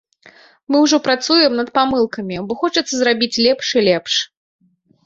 Мы ўжо працуем над памылкамі, бо хочацца зрабіць лепш і лепш.